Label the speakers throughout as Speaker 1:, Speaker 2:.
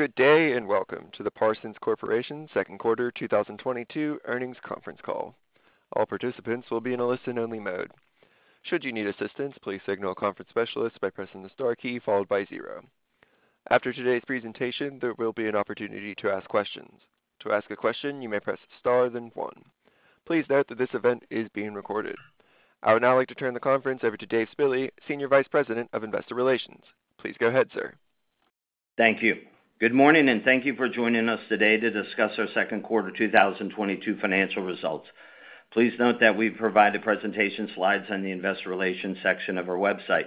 Speaker 1: Good day, and welcome to the Parsons Corporation Second Quarter 2022 Earnings Conference Call. All participants will be in a listen-only mode. Should you need assistance, please signal a conference specialist by pressing the star key followed by zero. After today's presentation, there will be an opportunity to ask questions. To ask a question, you may press star, then one. Please note that this event is being recorded. I would now like to turn the conference over to Dave Spille, Senior Vice President of Investor Relations. Please go ahead, sir.
Speaker 2: Thank you. Good morning, and thank you for joining us today to discuss our second quarter 2022 financial results. Please note that we provide the presentation slides on the investor relations section of our website.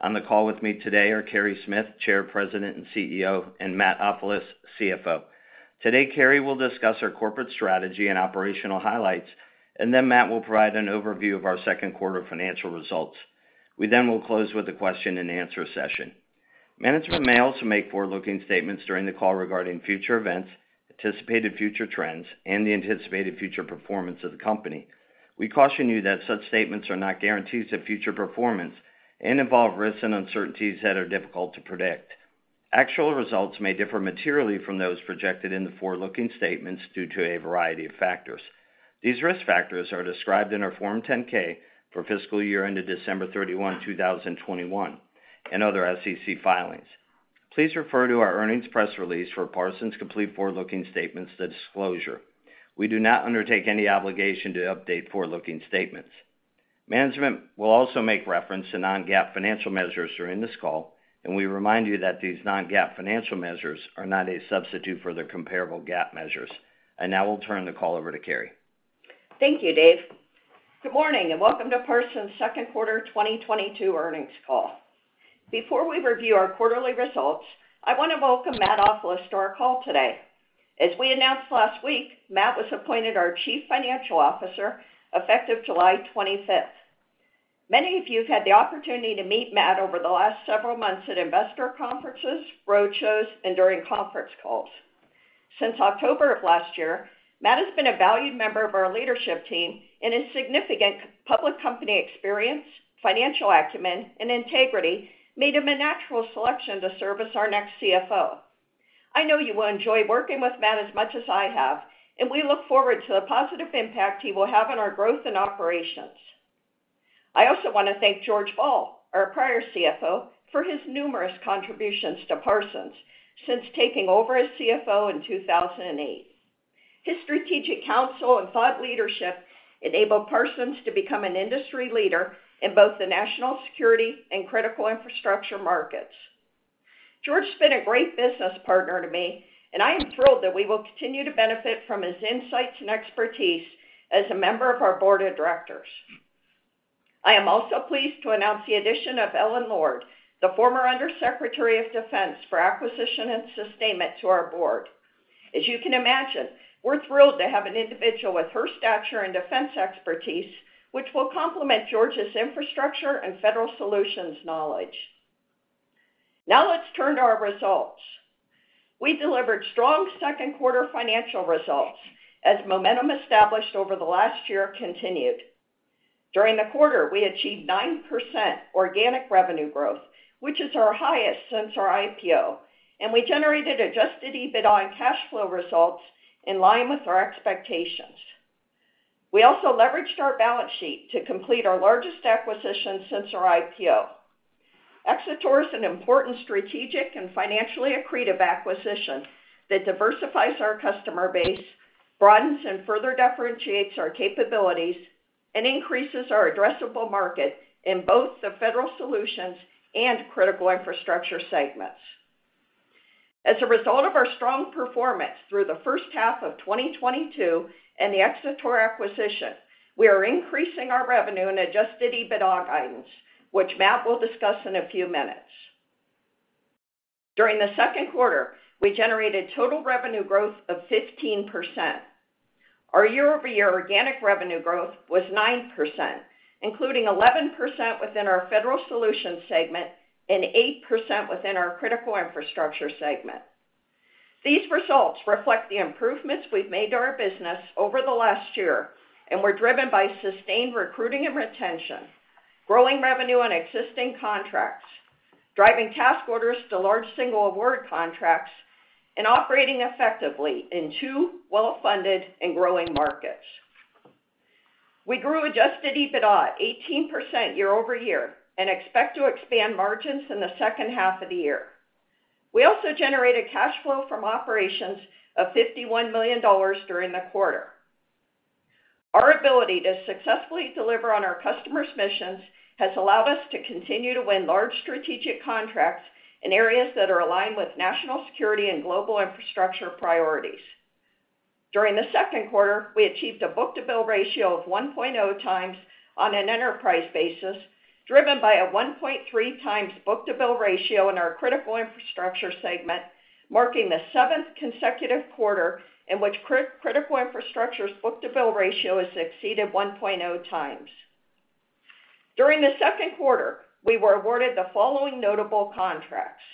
Speaker 2: On the call with me today are Carey Smith, Chair, President, and CEO, and Matt Ofilos, CFO. Today, Carey will discuss our corporate strategy and operational highlights, and then Matt will provide an overview of our second quarter 2022 financial results. We then will close with a question-and-answer session. Management may also make forward-looking statements during the call regarding future events, anticipated future trends, and the anticipated future performance of the company. We caution you that such statements are not guarantees of future performance and involve risks and uncertainties that are difficult to predict. Actual results may differ materially from those projected in the forward-looking statements due to a variety of factors. These risk factors are described in our Form 10-K for fiscal year ended December 31, 2021, and other SEC filings. Please refer to our earnings press release for Parsons' complete forward-looking statements, the disclosure. We do not undertake any obligation to update forward-looking statements. Management will also make reference to non-GAAP financial measures during this call, and we remind you that these non-GAAP financial measures are not a substitute for their comparable GAAP measures. Now we'll turn the call over to Carey.
Speaker 3: Thank you, Dave. Good morning, and welcome to Parsons' second quarter 2022 earnings call. Before we review our quarterly results, I want to welcome Matt Ofilos to our call today. As we announced last week, Matt was appointed our Chief Financial Officer effective July 25th. Many of you have had the opportunity to meet Matt over the last several months at investor conferences, roadshows, and during conference calls. Since October of last year, Matt has been a valued member of our leadership team, and his significant public company experience, financial acumen, and integrity made him a natural selection to serve as our next CFO. I know you will enjoy working with Matt as much as I have, and we look forward to the positive impact he will have on our growth and operations. I also want to thank George Ball, our prior CFO, for his numerous contributions to Parsons since taking over as CFO in 2008. His strategic counsel and thought leadership enabled Parsons to become an industry leader in both the national security and critical infrastructure markets. George has been a great business partner to me, and I am thrilled that we will continue to benefit from his insights and expertise as a member of our board of directors. I am also pleased to announce the addition of Ellen Lord, the former Under Secretary of Defense for Acquisition and Sustainment, to our board. As you can imagine, we're thrilled to have an individual with her stature and defense expertise, which will complement George's infrastructure and federal solutions knowledge. Now let's turn to our results. We delivered strong second quarter financial results as momentum established over the last year continued. During the quarter, we achieved 9% organic revenue growth, which is our highest since our IPO, and we generated adjusted EBITDA and cash flow results in line with our expectations. We also leveraged our balance sheet to complete our largest acquisition since our IPO. Xator is an important strategic and financially accretive acquisition that diversifies our customer base, broadens and further differentiates our capabilities, and increases our addressable market in both the federal solutions and critical infrastructure segments. As a result of our strong performance through the first half of 2022 and the Xator acquisition, we are increasing our revenue and adjusted EBITDA guidance, which Matt will discuss in a few minutes. During the second quarter, we generated total revenue growth of 15%. Our year-over-year organic revenue growth was 9%, including 11% within our federal solutions segment and 8% within our critical infrastructure segment. These results reflect the improvements we've made to our business over the last year and were driven by sustained recruiting and retention, growing revenue on existing contracts, driving task orders to large single award contracts, and operating effectively in two well-funded, and growing markets. We grew adjusted EBITDA 18% year-over-year and expect to expand margins in the second half of the year. We also generated cash flow from operations of $51 million during the quarter. Our ability to successfully deliver on our customers' missions has allowed us to continue to win large strategic contracts in areas that are aligned with national security and global infrastructure priorities. During the second quarter, we achieved a book-to-bill ratio of 1.0 times on an enterprise basis, driven by a 1.3 times book-to-bill ratio in our critical infrastructure segment, marking the seventh consecutive quarter in which critical infrastructure's book-to-bill ratio has exceeded 1.0 times. During the second quarter, we were awarded the following notable contracts.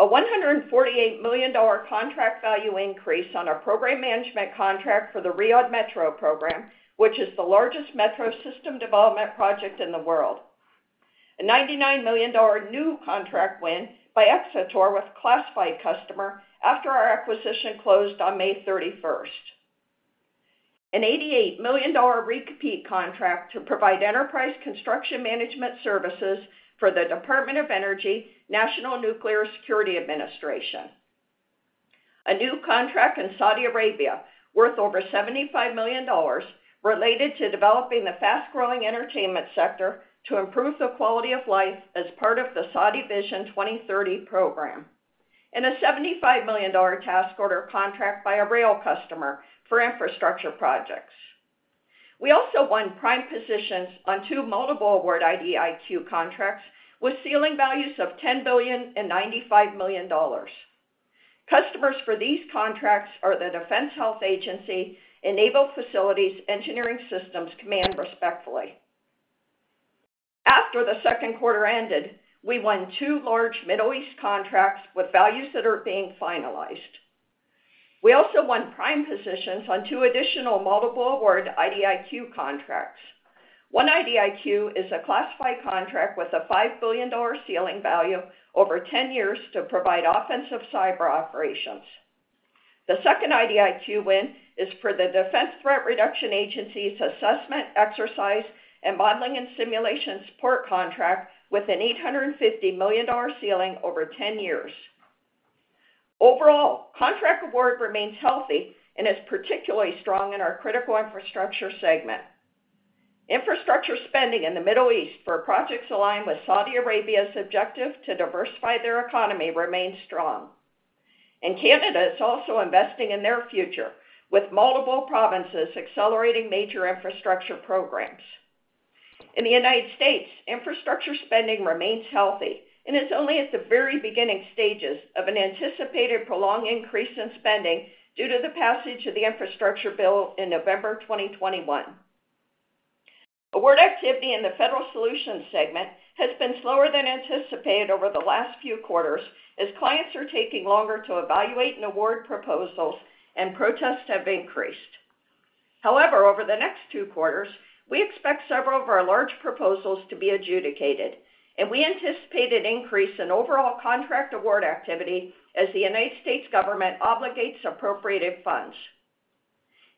Speaker 3: A $148 million contract value increase on our program management contract for the Riyadh Metro program, which is the largest metro system development project in the world. A $99 million new contract win by Xator with a classified customer after our acquisition closed on May 31st. An $88 million re-compete contract to provide enterprise construction management services for the Department of Energy and the National Nuclear Security Administration. A new contract in Saudi Arabia worth over $75 million related to developing the fast-growing entertainment sector to improve the quality of life as part of the Saudi Vision 2030 program. A seventy-five million dollar task order contract by a rail customer for infrastructure projects. We also won prime positions on two multiple-award IDIQ contracts with ceiling values of $10 billion and $95 million. Customers for these contracts are the Defense Health Agency, Naval Facilities Engineering Systems Command, respectively. After the second quarter ended, we won two large Middle East contracts with values that are being finalized. We also won prime positions on two additional multiple award IDIQ contracts. One IDIQ is a classified contract with a $5 billion ceiling value over 10 years to provide offensive cyber operations. The second IDIQ win is for the Defense Threat Reduction Agency's assessment, exercise, and modeling and simulation support contract with an $850 million ceiling over 10 years. Overall, contract award remains healthy and is particularly strong in our critical infrastructure segment. Infrastructure spending in the Middle East for projects aligned with Saudi Arabia's objective to diversify their economy remains strong. Canada is also investing in their future, with multiple provinces accelerating major infrastructure programs. In the United States, infrastructure spending remains healthy and is only at the very beginning stages of an anticipated prolonged increase in spending due to the passage of the infrastructure bill in November 2021. Award activity in the federal solutions segment has been slower than anticipated over the last few quarters as clients are taking longer to evaluate and award proposals and protests have increased. However, over the next two quarters, we expect several of our large proposals to be adjudicated, and we anticipate an increase in overall contract award activity as the United States government obligates appropriated funds.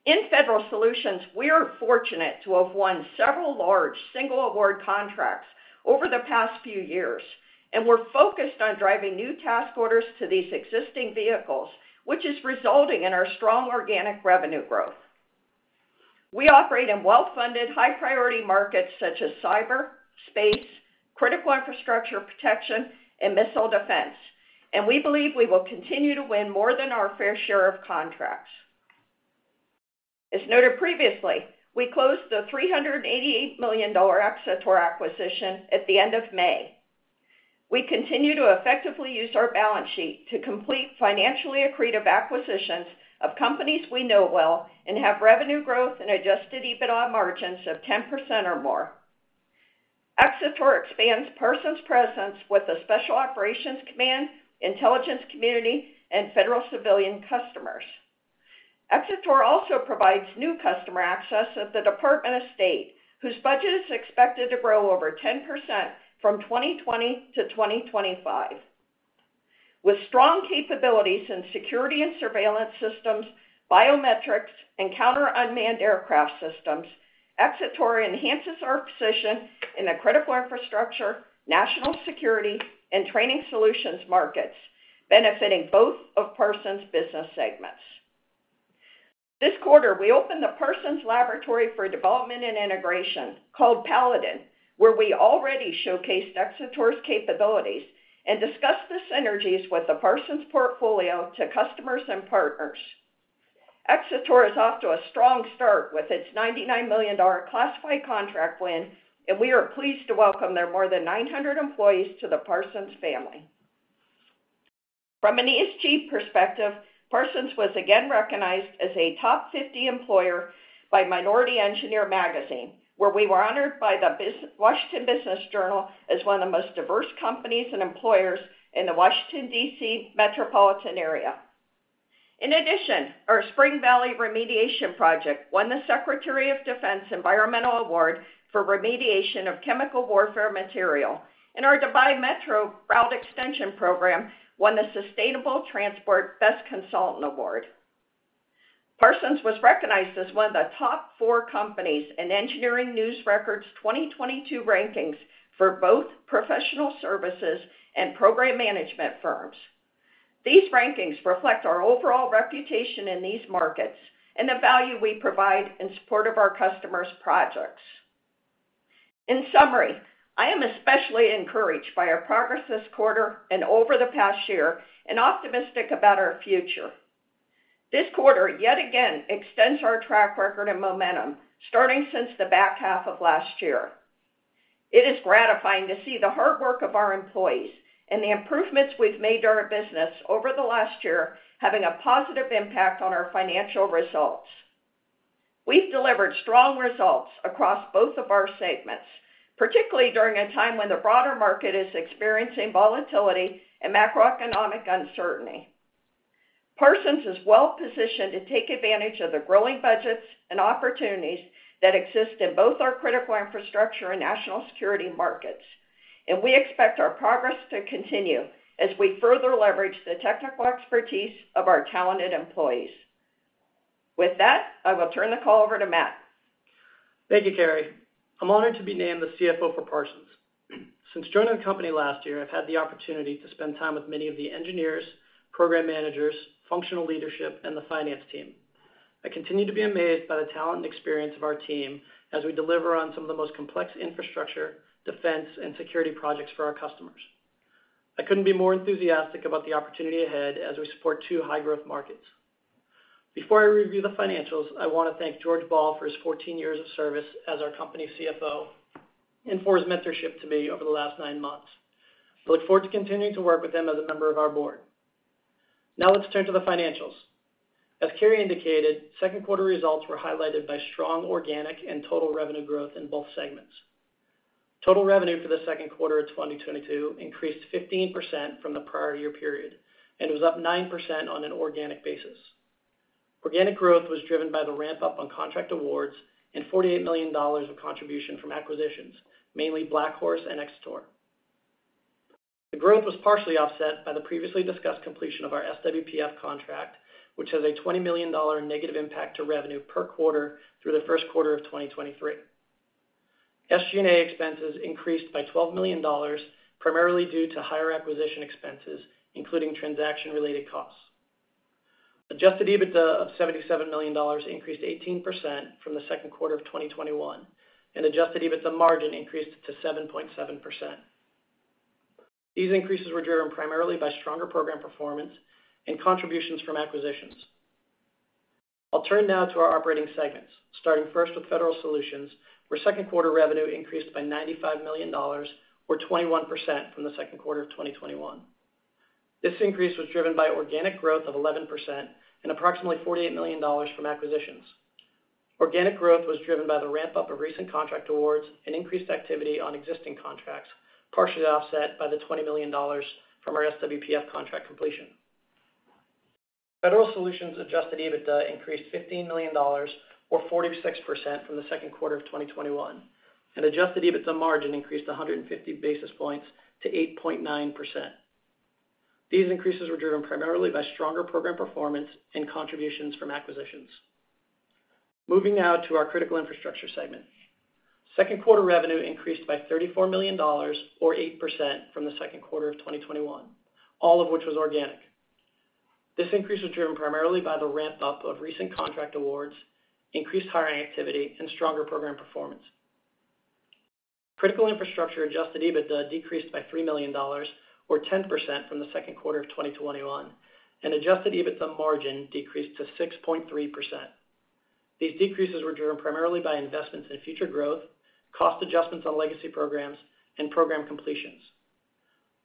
Speaker 3: In federal solutions, we are fortunate to have won several large single award contracts over the past few years, and we're focused on driving new task orders to these existing vehicles, which is resulting in our strong organic revenue growth. We operate in well-funded, high-priority markets such as cyber, space, critical infrastructure protection, and missile defense, and we believe we will continue to win more than our fair share of contracts. As noted previously, we closed the $388 million Xator acquisition at the end of May. We continue to effectively use our balance sheet to complete financially accretive acquisitions of companies we know well and have revenue growth and adjusted EBITDA margins of 10% or more. Xator expands Parsons' presence with the Special Operations Command, intelligence community, and federal civilian customers. Xator also provides new customer access at the Department of State, whose budget is expected to grow over 10% from 2020-2025. With strong capabilities in security and surveillance systems, biometrics, and counter-unmanned aircraft systems, Xator enhances our position in the critical infrastructure, national security, and training solutions markets, benefiting both of Parsons' business segments. This quarter, we opened the Parsons Laboratory for Development and Integration, called PALADIN, where we already showcased Xator's capabilities and discussed the synergies with the Parsons portfolio with customers and partners. Xator is off to a strong start with its $99 million classified contract win, and we are pleased to welcome their more than 900 employees to the Parsons family. From an ESG perspective, Parsons was again recognized as a top 50 employer by Minority Engineer magazine, where we were honored by the Washington Business Journal as one of the most diverse companies and employers in the Washington, D.C. metropolitan area. In addition, our Spring Valley remediation project won the Secretary of Defense Environmental Award for remediation of chemical warfare material, and our Dubai Metro Route Extension Program won the Sustainable Transport Best Consultant Award. Parsons was recognized as one of the top four companies in Engineering News-Record's 2022 rankings for both professional services and program management firms. These rankings reflect our overall reputation in these markets and the value we provide in support of our customers' projects. In summary, I am especially encouraged by our progress this quarter and over the past year and optimistic about our future. This quarter yet again extends our track record and momentum starting since the back half of last year. It is gratifying to see the hard work of our employees and the improvements we've made to our business over the last year having a positive impact on our financial results. We've delivered strong results across both of our segments, particularly during a time when the broader market is experiencing volatility and macroeconomic uncertainty. Parsons is well positioned to take advantage of the growing budgets and opportunities that exist in both our critical infrastructure and national security markets, and we expect our progress to continue as we further leverage the technical expertise of our talented employees. With that, I will turn the call over to Matt.
Speaker 4: Thank you, Carey. I'm honored to be named the CFO for Parsons. Since joining the company last year, I've had the opportunity to spend time with many of the engineers, program managers, functional leadership, and the finance team. I continue to be amazed by the talent and experience of our team as we deliver on some of the most complex infrastructure, defense, and security projects for our customers. I couldn't be more enthusiastic about the opportunity ahead as we support 2 high-growth markets. Before I review the financials, I want to thank George Ball for his 14 years of service as our company's CFO and for his mentorship to me over the last nine months. I look forward to continuing to work with him as a member of our board. Now let's turn to the financials. As Carrie indicated, second-quarter results were highlighted by strong organic and total revenue growth in both segments. Total revenue for the second quarter of 2022 increased 15% from the prior year period and was up 9% on an organic basis. Organic growth was driven by the ramp-up of contract awards and $48 million of contribution from acquisitions, mainly BlackHorse and Xator. The growth was partially offset by the previously discussed completion of our SWPF contract, which has a $20 million negative impact to revenue per quarter through the first quarter of 2023. SG&A expenses increased by $12 million, primarily due to higher acquisition expenses, including transaction-related costs. Adjusted EBITDA of $77 million increased 18% from the second quarter of 2021, and adjusted EBITDA margin increased to 7.7%. These increases were driven primarily by stronger program performance and contributions from acquisitions. I'll turn now to our operating segments, starting first with Federal Solutions, where second-quarter revenue increased by $95 million, or 21% from the second quarter of 2021. This increase was driven by organic growth of 11% and approximately $48 million from acquisitions. Organic growth was driven by the ramp-up of recent contract awards and increased activity on existing contracts, partially offset by the $20 million from our SWPF contract completion. Federal Solutions' adjusted EBITDA increased $15 million, or 46%, from the second quarter of 2021, and adjusted EBITDA margin increased 150 basis points to 8.9%. These increases were driven primarily by stronger program performance and contributions from acquisitions. Moving now to our critical infrastructure segment. Second quarter revenue increased by $34 million, or 8% from the second quarter of 2021, all of which was organic. This increase was driven primarily by the ramp-up of recent contract awards, increased hiring activity, and stronger program performance. Critical Infrastructure adjusted EBITDA decreased by $3 million, or 10%, from the second quarter of 2021, and adjusted EBITDA margin decreased to 6.3%. These decreases were driven primarily by investments in future growth, cost adjustments on legacy programs, and program completions.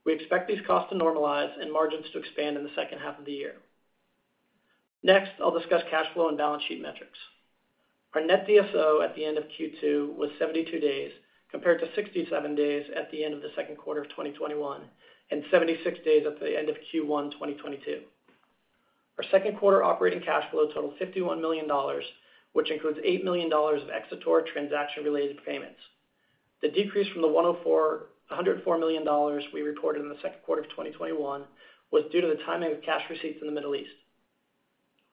Speaker 4: We expect these costs to normalize and margins to expand in the second half of the year. Next, I'll discuss cash flow and balance sheet metrics. Our net DSO at the end of Q2 was 72 days, compared to 67 days at the end of the second quarter of 2021 and 76 days at the end of Q1 2022. Our second quarter operating cash flow totaled $51 million, which includes $8 million of Xator transaction-related payments. The decrease from the $104 million we reported in the second quarter of 2021 was due to the timing of cash receipts in the Middle East.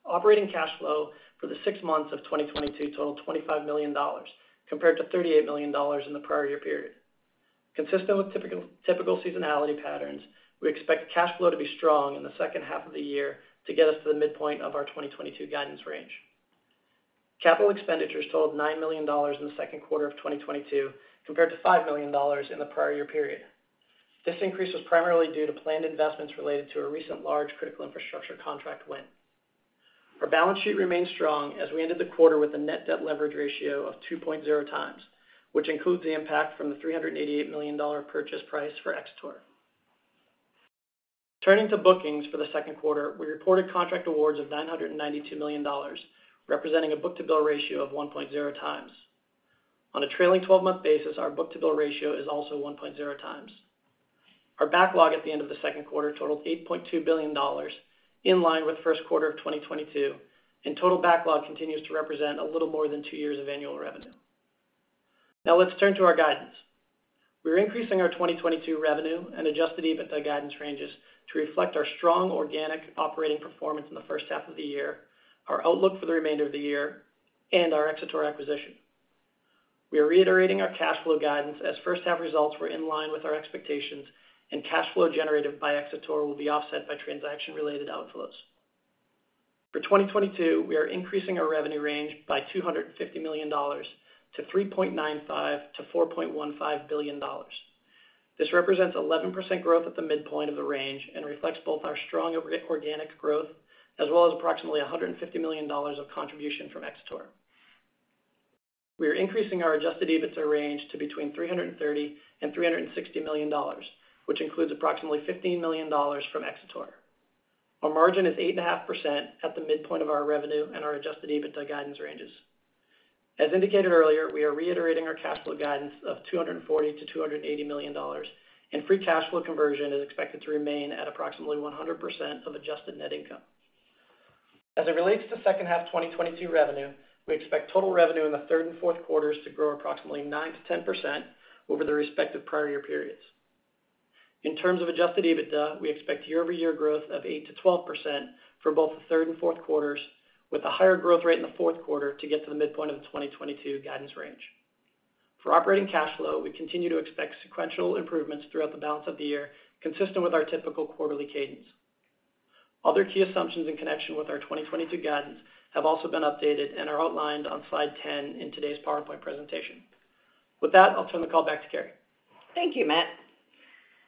Speaker 4: Operating cash flow for the six months of 2022 totaled $25 million, compared to $38 million in the prior year period. Consistent with typical seasonality patterns, we expect cash flow to be strong in the second half of the year to get us to the midpoint of our 2022 guidance range. Capital expenditures totaled $9 million in the second quarter of 2022, compared to $5 million in the prior year period. This increase was primarily due to planned investments related to a recent large critical infrastructure contract win. Our balance sheet remains strong as we ended the quarter with a net debt leverage ratio of 2.0 times, which includes the impact from the $388 million purchase price for Xator. Turning to bookings for the second quarter, we reported contract awards of $992 million, representing a book-to-bill ratio of 1.0 times. On a trailing twelve-month basis, our book-to-bill ratio is also 1.0 times. Our backlog at the end of the second quarter totaled $8.2 billion, in line with the first quarter of 2022, and total backlog continues to represent a little more than two years of annual revenue. Now let's turn to our guidance. We're increasing our 2022 revenue and adjusted EBITDA guidance ranges to reflect our strong organic operating performance in the first half of the year, our outlook for the remainder of the year, and our Xator acquisition. We are reiterating our cash flow guidance as first-half results were in line with our expectations, and cash flow generated by Xator will be offset by transaction-related outflows. For 2022, we are increasing our revenue range by $250 million, $3.95 billion-$4.15 billion. This represents 11% growth at the midpoint of the range and reflects both our strong organic growth as well as approximately $150 million of contribution from Xator. We are increasing our adjusted EBITDA range to between $330 million-$360 million, which includes approximately $15 million from Xator. Our margin is 8.5% at the midpoint of our revenue and our adjusted EBITDA guidance ranges. As indicated earlier, we are reiterating our cash flow guidance of $240 million-$280 million, and free cash flow conversion is expected to remain at approximately 100% of adjusted net income. As it relates to second half 2022 revenue, we expect total revenue in the third and fourth quarters to grow approximately 9%-10% over the respective prior year periods. In terms of adjusted EBITDA, we expect year-over-year growth of 8%-12% for both the third and fourth quarters, with a higher growth rate in the fourth quarter to get to the midpoint of the 2022 guidance range. For operating cash flow, we continue to expect sequential improvements throughout the balance of the year, consistent with our typical quarterly cadence. Other key assumptions in connection with our 2022 guidance have also been updated and are outlined on slide 10 in today's PowerPoint presentation. With that, I'll turn the call back to Carey.
Speaker 3: Thank you, Matt.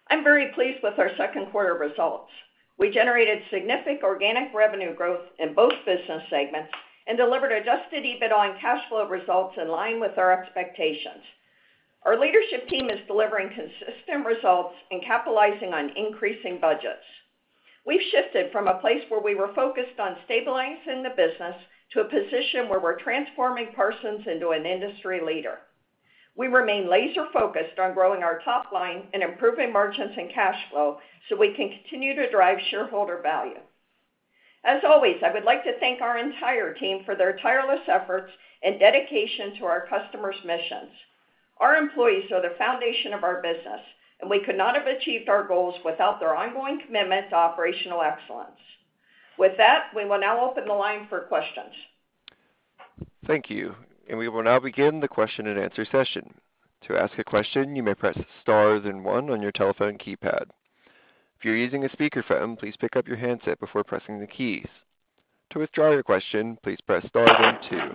Speaker 3: I'm very pleased with our second quarter results. We generated significant organic revenue growth in both business segments and delivered adjusted EBITDA on cash flow results in line with our expectations. Our leadership team is delivering consistent results and capitalizing on increasing budgets. We've shifted from a place where we were focused on stabilizing the business to a position where we're transforming Parsons into an industry leader. We remain laser-focused on growing our top line and improving margins and cash flow so we can continue to drive shareholder value. As always, I would like to thank our entire team for their tireless efforts and dedication to our customers' missions. Our employees are the foundation of our business, and we could not have achieved our goals without their ongoing commitment to operational excellence. With that, we will now open the line for questions.
Speaker 1: Thank you. We will now begin the question-and-answer session. To ask a question, you may press star then one on your telephone keypad. If you're using a speakerphone, please pick up your handset before pressing the keys. To withdraw your question, please press star then two.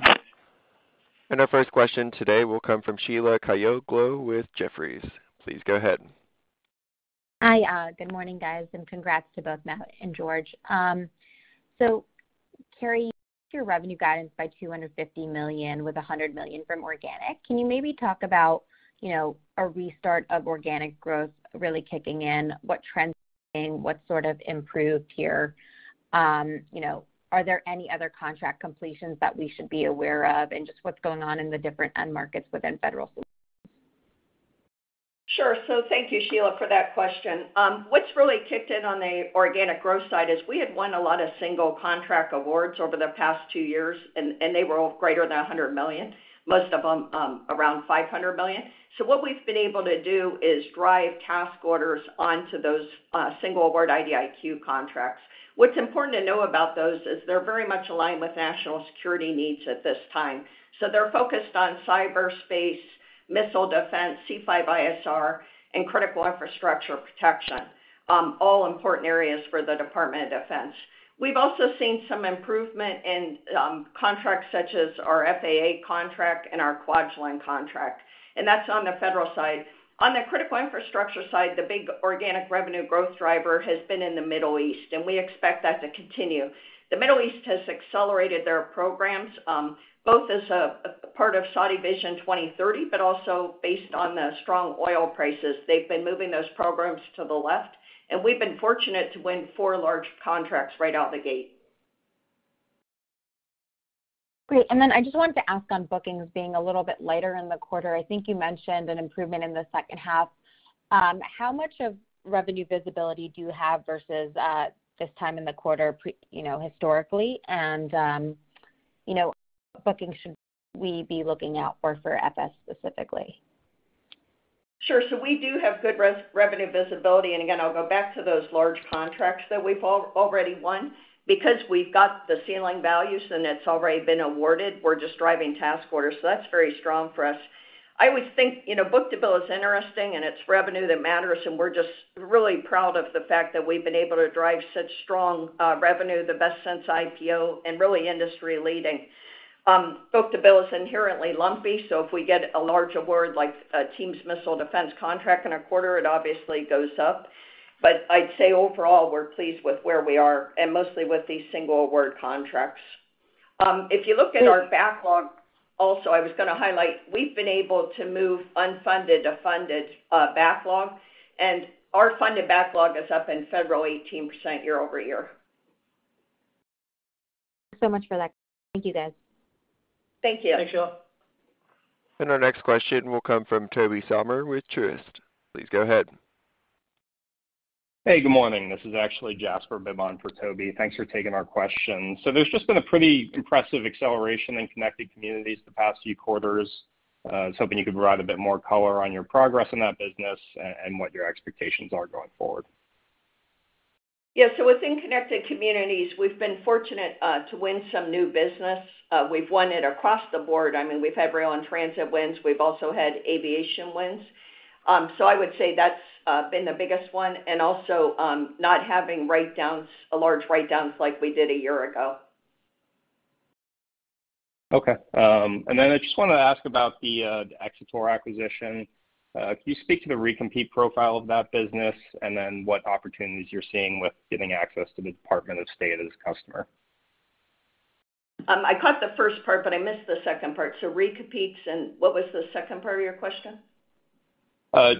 Speaker 1: Our first question today will come from Sheila Kahyaoglu with Jefferies. Please go ahead.
Speaker 5: Hi. Good morning, guys, and congrats to both Matt and George. Carey, your revenue guidance by $250 million, with $100 million from organic. Can you maybe talk about, you know, a restart of organic growth really kicking in? What trends, what sort of improved here? You know, are there any other contract completions that we should be aware of and just what's going on in the different end markets within federal solutions?
Speaker 3: Sure. Thank you, Sheila, for that question. What's really kicked in on the organic growth side is we had won a lot of single contract awards over the past two years, and they were all greater than $100 million, most of them, around $500 million. What we've been able to do is drive task orders onto those single award IDIQ contracts. What's important to know about those is they're very much aligned with national security needs at this time. They're focused on cyber, space, missile defense, C5ISR, and critical infrastructure protection, all important areas for the Department of Defense. We've also seen some improvement in contracts such as our FAA contract and our Kwajalein contract, and that's on the federal side. On the critical infrastructure side, the big organic revenue growth driver has been in the Middle East, and we expect that to continue. The Middle East has accelerated their programs, both as a part of Saudi Vision 2030, but also based on the strong oil prices. They've been moving those programs to the left, and we've been fortunate to win four large contracts right out the gate.
Speaker 5: Great. I just wanted to ask on bookings being a little bit lighter in the quarter. I think you mentioned an improvement in the second half. How much of revenue visibility do you have versus this time in the quarter pre- you know, historically? You know, bookings should we be looking out for FS specifically?
Speaker 3: Sure. We do have good revenue visibility, and again, I'll go back to those large contracts that we've already won. Because we've got the ceiling values and it's already been awarded, we're just driving task orders. That's very strong for us. I always think, you know, book-to-bill is interesting and it's revenue that matters, and we're just really proud of the fact that we've been able to drive such strong revenue, the best since IPO and really industry-leading. Book-to-bill is inherently lumpy, so if we get a large award like a TEAMS missile defense contract in a quarter, it obviously goes up. I'd say overall, we're pleased with where we are and mostly with these single award contracts. If you look at our backlog also, I was gonna highlight, we've been able to move unfunded to funded backlog, and our funded backlog is up in Federal 18% year-over-year.
Speaker 5: Thanks so much for that. Thank you, guys.
Speaker 3: Thank you.
Speaker 4: Thank you.
Speaker 1: Our next question will come from Tobey Sommer with Truist. Please go ahead.
Speaker 6: Hey, good morning. This is actually Jasper Bibb for Tobey. Thanks for taking our question. There's just been a pretty impressive acceleration in Connected Communities the past few quarters. I was hoping you could provide a bit more color on your progress in that business and what your expectations are going forward.
Speaker 3: Yeah. Within Connected Communities, we've been fortunate to win some new business. We've won it across the board. I mean, we've had rail and transit wins. We've also had aviation wins. I would say that's been the biggest one and also not having write-downs, a large write-down like we did a year ago.
Speaker 6: Okay, I just want to ask about the Xator acquisition. Can you speak to the recompete profile of that business and then what opportunities you're seeing with getting access to the Department of State as customer?
Speaker 3: I caught the first part, but I missed the second part, so recompetes and what was the second part of your question?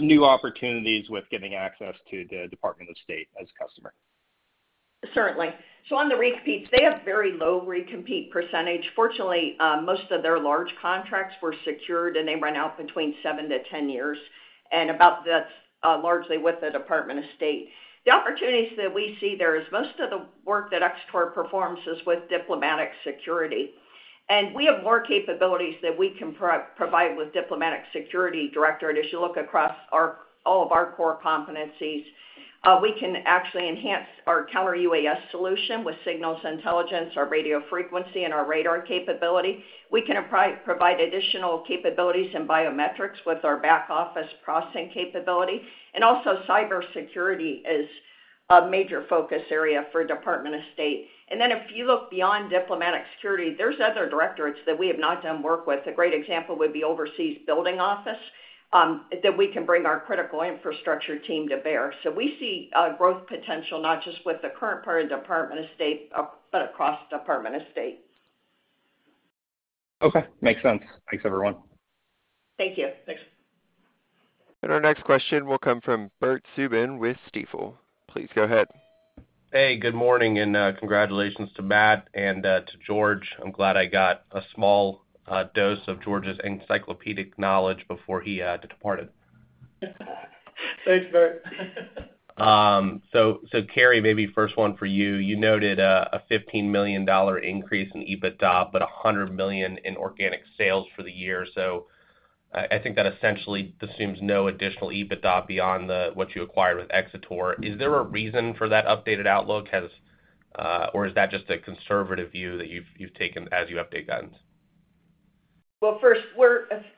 Speaker 6: New opportunities with getting access to the Department of State as customer.
Speaker 3: Certainly. On the recompetes, they have very low recompete percentage. Fortunately, most of their large contracts were secured, and they run out between seven-10 years and about that, largely with the Department of State. The opportunities that we see there is most of the work that Xator performs is with Diplomatic Security. We have more capabilities that we can provide with Diplomatic Security directorate. As you look across all of our core competencies, we can actually enhance our counter-UAS solution with signals intelligence or radio frequency and our radar capability. We can provide additional capabilities in biometrics with our back-office processing capability. Also cybersecurity is a major focus area for Department of State. If you look beyond Diplomatic Security, there's other directorates that we have not done work with. A great example would be Overseas Buildings Office that we can bring our critical infrastructure team to bear. We see growth potential not just with the current part of Department of State, but across Department of State.
Speaker 6: Okay. Makes sense. Thanks, everyone.
Speaker 3: Thank you.
Speaker 4: Thanks.
Speaker 1: Our next question will come from Bert Subin with Stifel. Please go ahead.
Speaker 7: Hey, good morning, congratulations to Matt and to George. I'm glad I got a small dose of George's encyclopedic knowledge before he had to depart it.
Speaker 4: Thanks, Bert.
Speaker 7: Carrie, maybe first one for you. You noted a $15 million increase in EBITDA, but $100 million in organic sales for the year. I think that essentially assumes no additional EBITDA beyond the what you acquired with Xator. Is there a reason for that updated outlook? Has or is that just a conservative view that you've taken as you update guidance?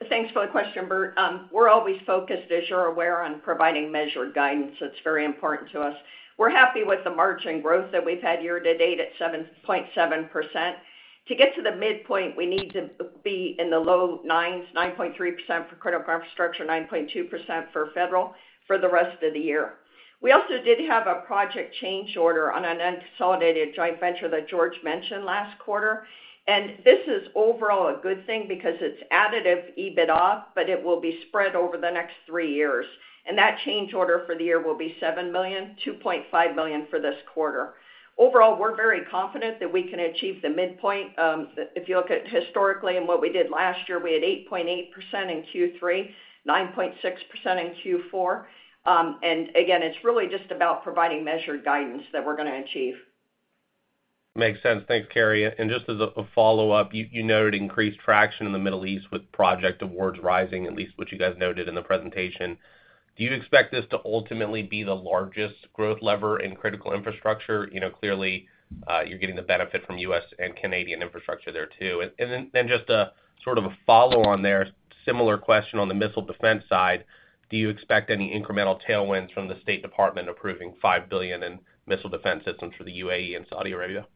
Speaker 3: Thanks for the question, Bert. We're always focused, as you're aware, on providing measured guidance. That's very important to us. We're happy with the margin growth that we've had year-to-date at 7.7%. To get to the midpoint, we need to be in the low nines, 9.3% for critical infrastructure, 9.2% for federal for the rest of the year. We also did have a project change order on an unconsolidated joint venture that George mentioned last quarter. This is overall a good thing because it's additive EBITDA, but it will be spread over the next three years. That change order for the year will be $7 million, $2.5 million for this quarter. Overall, we're very confident that we can achieve the midpoint. If you look at historically and what we did last year, we had 8.8% in Q3, 9.6% in Q4. Again, it's really just about providing measured guidance that we're gonna achieve.
Speaker 7: Makes sense. Thanks, Carey. Just as a follow-up, you noted increased traction in the Middle East with project awards rising, at least what you guys noted in the presentation. Do you expect this to ultimately be the largest growth lever in critical infrastructure? You know, clearly, you're getting the benefit from U.S. and Canadian infrastructure there, too. Just a sort of a follow on there, similar question on the missile defense side, do you expect any incremental tailwinds from the State Department approving $5 billion in missile defense systems for the UAE and Saudi Arabia?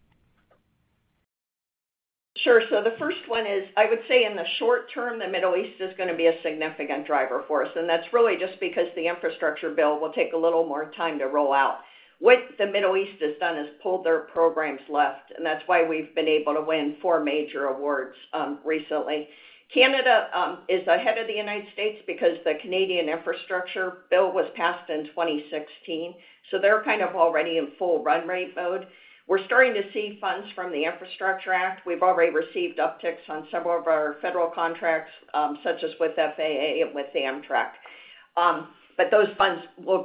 Speaker 3: Sure. The first one is, I would say in the short term, the Middle East is gonna be a significant driver for us, and that's really just because the infrastructure bill will take a little more time to roll out. What the Middle East has done is pull their programs left, and that's why we've been able to win four major awards, recently. Canada is ahead of the United States because the Canadian infrastructure bill was passed in 2016, so they're kind of already in full run-rate mode. We're starting to see funds from the Infrastructure Act. We've already received upticks on several of our federal contracts, such as with the FAA and with Amtrak. Those funds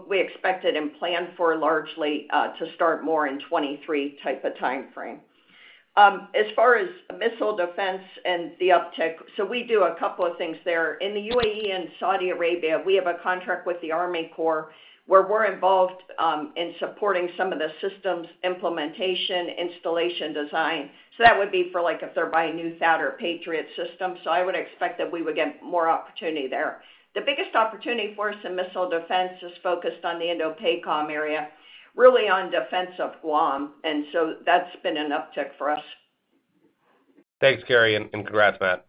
Speaker 3: we expected and planned are largely to start more in a 2023-type of timeframe. As far as missile defense and the uptick, we do a couple of things there. In the UAE and Saudi Arabia, we have a contract with the Army Corps, where we're involved in supporting some of the systems implementation, installation design. That would be for, like, if they're buying new THAAD or Patriot systems. I would expect that we would get more opportunity there. The biggest opportunity for us in missile defense is focused on the INDOPACOM area, really on defense of Guam, and that's been an uptick for us.
Speaker 7: Thanks, Carrie, and congrats, Matt.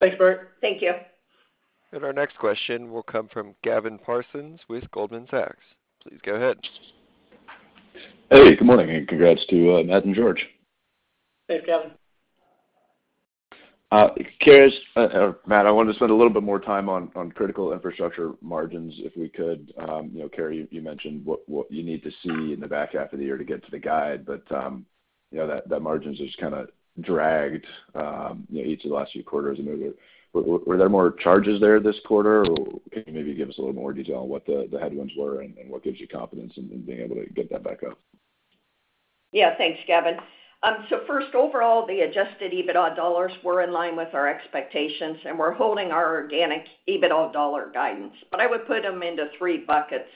Speaker 4: Thanks, Bert.
Speaker 3: Thank you.
Speaker 1: Our next question will come from Gautam Khanna with TD Cowen. Please go ahead.
Speaker 8: Hey, good morning, and congrats to Matt and George.
Speaker 4: Thanks, Gautam.
Speaker 8: Matt, I wanted to spend a little bit more time on critical infrastructure margins, if we could. You know, Carrie, you mentioned what you need to see in the back half of the year to get to the guide, but you know, that margin's just kinda dragged, you know, each of the last few quarters. I mean, were there more charges there this quarter? Or can you maybe give us a little more detail on what the headwinds were and what gives you confidence in being able to get that back up?
Speaker 3: Yeah. Thanks, Gautam. First, overall, the adjusted EBITDA dollars were in line with our expectations, and we're holding our organic EBITDA dollar guidance, but I would put them into three buckets.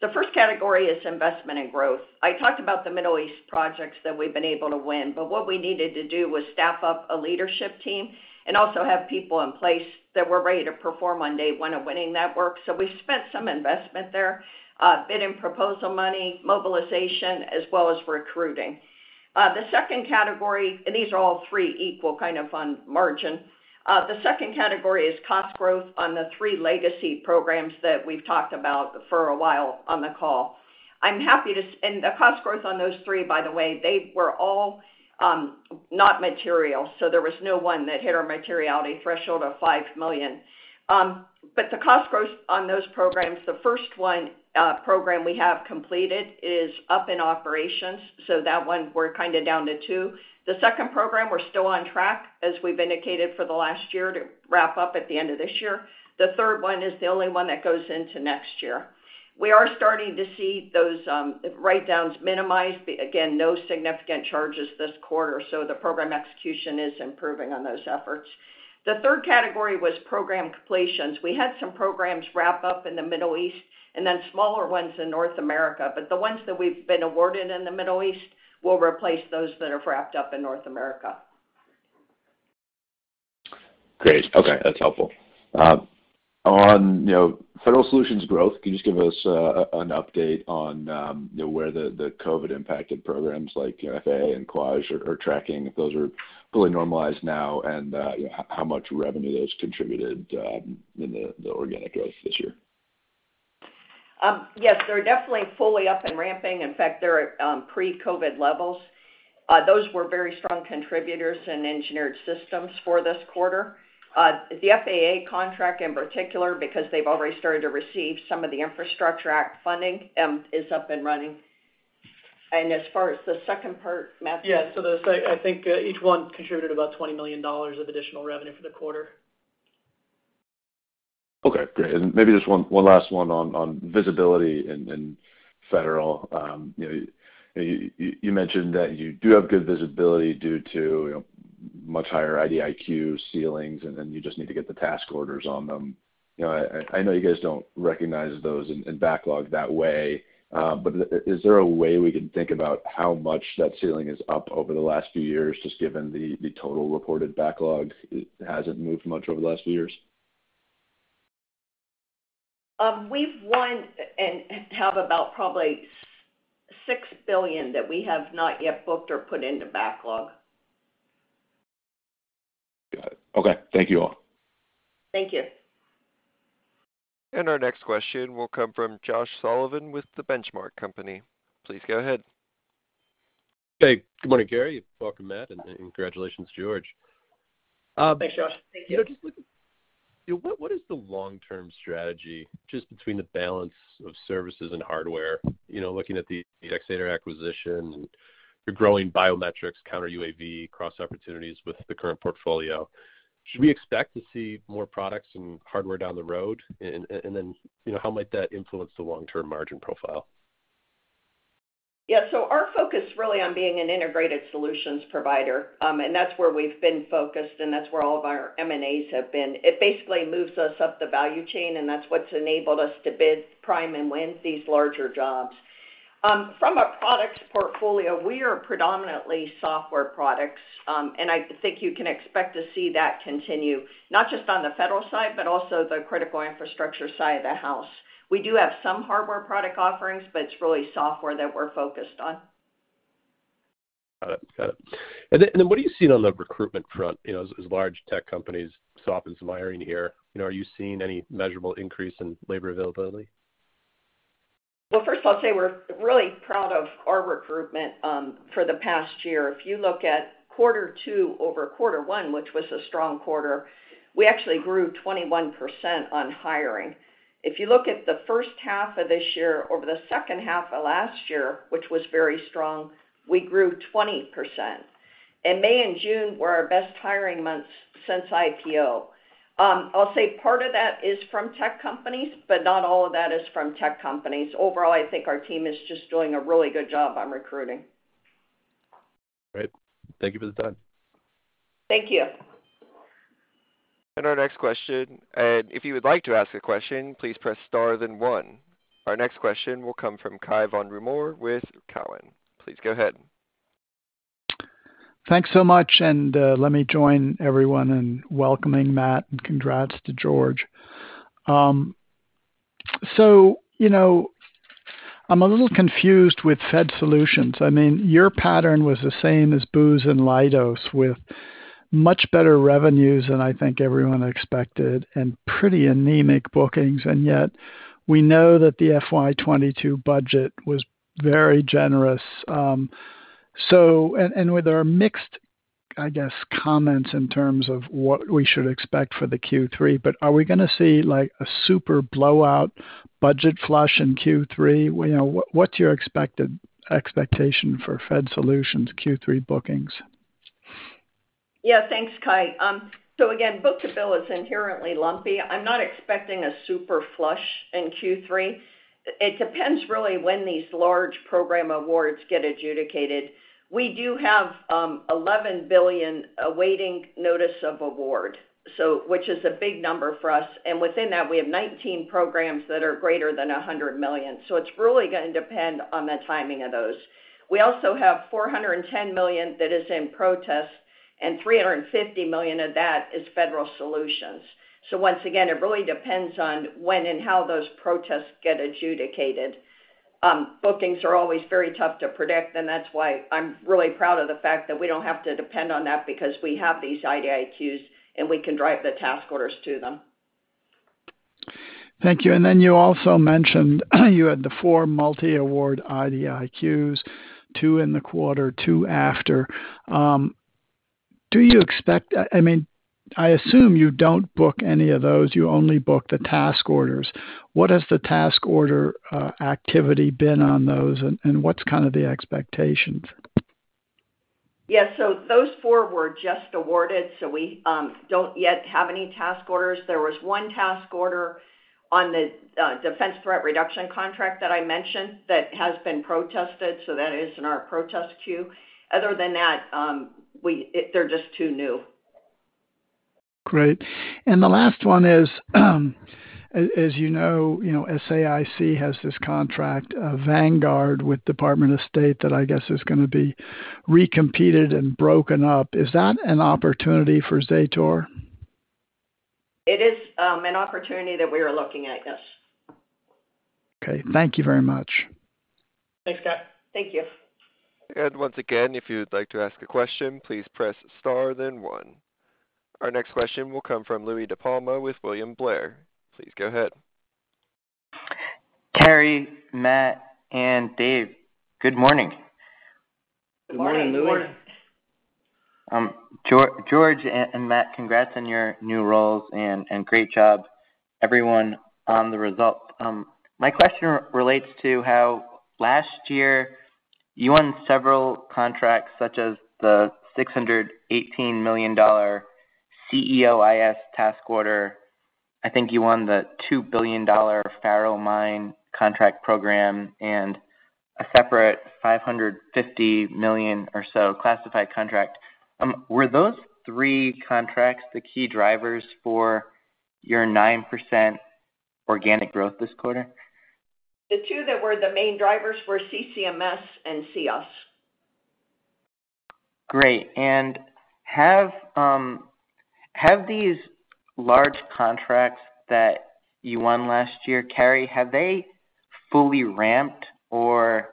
Speaker 3: The first category is investment and growth. I talked about the Middle East projects that we've been able to win, but what we needed to do was staff up a leadership team and also have people in place that were ready to perform on day one of winning that work. We spent some investment there, bid and proposal money, mobilization, as well as recruiting. The second category, and these are all three equal kinds of on margin, is cost growth on the three legacy programs that we've talked about for a while on the call. The cost growth on those three, by the way, they were all, not material, so there was no one that hit our materiality threshold of $5 million. The cost growth on those programs, the first one, program we have completed is up in operations, so that one we're kinda down to two. The second program, we're still on track, as we've indicated for the last year, to wrap up at the end of this year. The third one is the only one that goes into next year. We are starting to see those, write-downs minimized. Again, no significant charges this quarter, so the program execution is improving on those efforts. The third category was program completions. We had some programs wrap up in the Middle East and then smaller ones in North America. The ones that we've been awarded in the Middle East will replace those that have wrapped up in North America.
Speaker 8: Great. Okay, that's helpful. On, you know, federal solutions growth, can you just give us an update on, you know, where the COVID-impacted programs like FAA and Kwajalein are tracking, if those are fully normalized now, and, you know, how much revenue that's contributed in the organic growth this year?
Speaker 3: Yes, they're definitely fully up and ramping. In fact, they're at pre-COVID levels. Those were very strong contributors in Engineered Systems for this quarter. The FAA contract in particular, because they've already started to receive some of the Infrastructure Act funding, is up and running. As far as the second part, Matt?
Speaker 4: I think each one contributed about $20 million of additional revenue for the quarter.
Speaker 8: Okay, great. Maybe just one last one on visibility in federal. You know, you mentioned that you do have good visibility due to you know much higher IDIQ ceilings, and then you just need to get the task orders on them. You know, I know you guys don't recognize those in backlog that way, but is there a way we can think about how much that ceiling is up over the last few years, just given the total reported backlog hasn't moved much over the last few years?
Speaker 3: We've won and have about probably $6 billion that we have not yet booked or put into backlog.
Speaker 8: Got it. Okay. Thank you all.
Speaker 3: Thank you.
Speaker 1: Our next question will come from Josh Sullivan with The Benchmark Company. Please go ahead.
Speaker 9: Hey, good morning, Carey. Welcome, Matt, and congratulations, George.
Speaker 4: Thanks, Josh. Thank you.
Speaker 9: You know, just looking, you know, what is the long-term strategy just between the balance of services and hardware? You know, looking at the Xator acquisition, you're growing biometrics, counter UAV, cross opportunities with the current portfolio. Should we expect to see more products and hardware down the road? Then, you know, how might that influence the long-term margin profile?
Speaker 3: Yeah. Our focus really on being an integrated solutions provider, and that's where we've been focused, and that's where all of our M&As have been. It basically moves us up the value chain, and that's what's enabled us to bid prime and win these larger jobs. From a product portfolio, we are predominantly software products, and I think you can expect to see that continue, not just on the federal side, but also the critical infrastructure side of the house. We do have some hardware product offerings, but it's really software that we're focused on.
Speaker 9: Got it. What are you seeing on the recruitment front, you know, as large tech companies stop hiring here? You know, are you seeing any measurable increase in labor availability?
Speaker 3: Well, first of all, I'd say we're really proud of our recruitment for the past year. If you look at quarter two over quarter one, which was a strong quarter, we actually grew 21% on hiring. If you look at the first-half of this year over the second half of last year, which was very strong, we grew 20%. May and June were our best hiring months since IPO. I'll say part of that is from tech companies, but not all of that is from tech companies. Overall, I think our team is just doing a really good job on recruiting.
Speaker 9: Great. Thank you for the time.
Speaker 3: Thank you.
Speaker 1: Our next question. If you would like to ask a question, please press star then one. Our next question will come from Cai von Rumohr with Cowen. Please go ahead.
Speaker 10: Thanks so much, and let me join everyone in welcoming Matt, and congrats to George. You know, I'm a little confused with Federal Solutions. I mean, your pattern was the same as Booz and Leidos, with much better revenues than I think everyone expected, and pretty anemic bookings. Yet we know that the FY22 budget was very generous. With our mixed, I guess, comments in terms of what we should expect for the Q3, but are we gonna see like a super blowout budget flush in Q3? You know, what's your expected expectation for Federal Solutions Q3 bookings?
Speaker 3: Yeah. Thanks, Kai. Again, book to bill is inherently lumpy. I'm not expecting a super flush in Q3. It depends really when these large program awards get adjudicated. We do have $11 billion awaiting notice of award, so which is a big number for us, and within that, we have 19 programs that are greater than $100 million. It's really gonna depend on the timing of those. We also have $410 million that is in protest, and $350 million of that is Federal Solutions. Once again, it really depends on when and how those protests get adjudicated. Bookings are always very tough to predict, and that's why I'm really proud of the fact that we don't have to depend on that because we have these IDIQs, and we can drive the task orders to them.
Speaker 10: Thank you. You also mentioned you had the four multi-award IDIQs, two in the quarter, two after. I mean, I assume you don't book any of those, you only book the task orders. What has the task order activity been on those and what's kind of the expectations?
Speaker 3: Yeah. Those four were just awarded, so we don't yet have any task orders. There was one task order on the Defense Threat Reduction contract that I mentioned that has been protested, so that is in our protest queue. Other than that, they're just too new.
Speaker 10: Great. The last one is, as you know, SAIC has this contract, Vanguard with Department of State that I guess is gonna be recompeted and broken up. Is that an opportunity for Xator?
Speaker 3: It is an opportunity that we are looking at, yes.
Speaker 10: Okay. Thank you very much.
Speaker 4: Thanks, Cai.
Speaker 3: Thank you.
Speaker 1: Once again, if you would like to ask a question, please press star then one. Our next question will come from Louie DiPalma with William Blair. Please go ahead.
Speaker 11: Carey, Matt, and Dave, good morning.
Speaker 2: Good morning, Louie.
Speaker 3: Good morning.
Speaker 11: George and Matt, congrats on your new roles and great job, everyone, on the result. My question relates to how last year you won several contracts, such as the $618 million CEOIS task order. I think you won the $2 billion Faro Mine contract program and a separate $550 million or so classified contract. Were those three contracts the key drivers for your 9% organic growth this quarter?
Speaker 3: The two that were the main drivers were CCMS and C-CEIS.
Speaker 11: Great. Have these large contracts that you won last year, Carey, have they fully ramped, or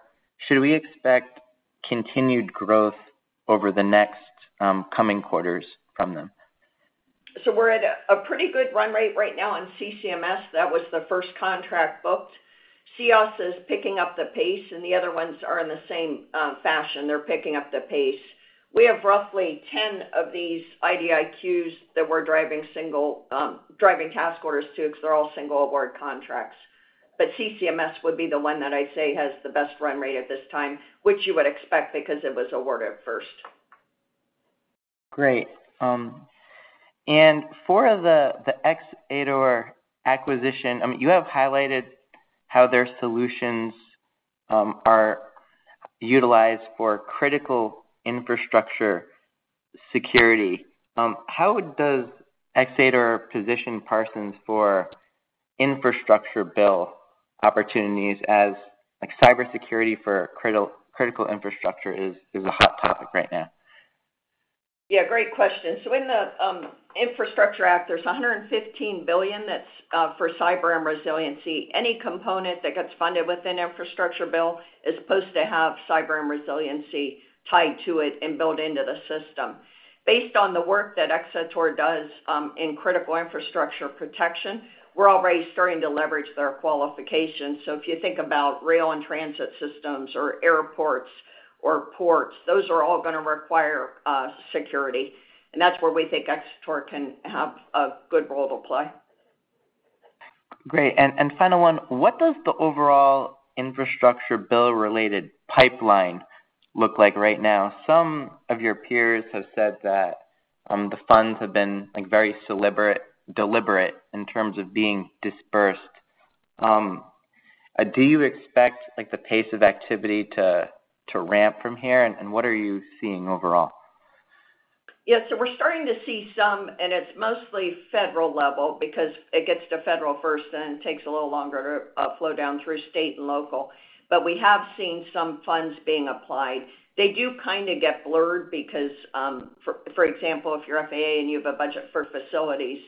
Speaker 11: should we expect continued growth over the next coming quarters from them?
Speaker 3: We're at a pretty good run rate right now on CCMS. That was the first contract booked. C-CEIS is picking up the pace, and the other ones are in the same fashion. They're picking up the pace. We have roughly 10 of these IDIQs that we're driving task orders to, 'cause they're all single award contracts. CCMS would be the one that I'd say has the best run rate at this time, which you would expect because it was awarded first.
Speaker 11: Great. For the Xator acquisition, I mean, you have highlighted how their solutions are utilized for critical infrastructure security. How does Xator position Parsons for infrastructure bill opportunities as, like, cybersecurity for critical infrastructure is a hot topic right now?
Speaker 3: Yeah, great question. In the infrastructure act, there's $115 billion that's for cyber and resiliency. Any component that gets funded within infrastructure bill is supposed to have cyber and resiliency tied to it and built into the system. Based on the work that Xator does in critical infrastructure protection, we're already starting to leverage their qualifications. If you think about rail and transit systems or airports or ports, those are all gonna require security. That's where we think Xator can have a good role to play.
Speaker 11: Great. Final one, what does the overall infrastructure bill-related pipeline look like right now? Some of your peers have said that, the funds have been, like, very deliberate in terms of being dispersed. Do you expect, like, the pace of activity to ramp from here, and what are you seeing overall?
Speaker 3: We're starting to see some, and it's mostly federal level because it gets to federal first then takes a little longer to flow down through state and local. We have seen some funds being applied. They do kinda get blurred because, for example, if you're FAA and you have a budget for facilities,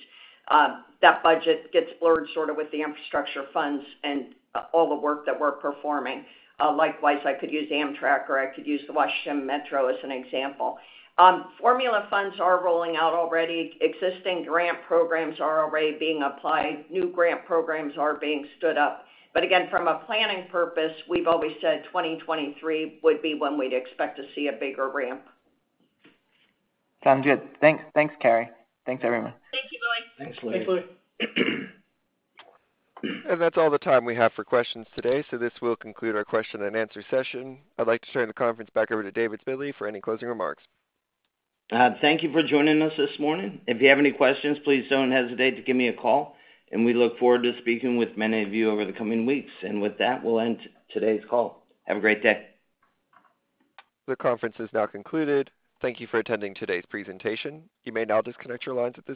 Speaker 3: that budget gets blurred sorta with the infrastructure funds and all the work that we're performing. Likewise, I could use Amtrak or I could use the Washington Metro as an example. Formula funds are rolling out already. Existing grant programs are already being applied. New grant programs are being stood up. Again, from a planning purpose, we've always said 2023 would be when we'd expect to see a bigger ramp.
Speaker 11: Sounds good. Thanks. Thanks, Carey. Thanks, everyone.
Speaker 3: Thank you, Louie.
Speaker 4: Thanks, Louis.
Speaker 1: That's all the time we have for questions today, so this will conclude our question and answer session. I'd like to turn the conference back over to Dave Spille for any closing remarks.
Speaker 2: Thank you for joining us this morning. If you have any questions, please don't hesitate to give me a call, and we look forward to speaking with many of you over the coming weeks. With that, we'll end today's call. Have a great day.
Speaker 1: The conference is now concluded. Thank you for attending today's presentation. You may now disconnect your lines at this time.